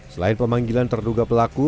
selain pemanggilan terduga pelaku